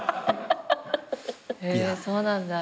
へぇそうなんだ。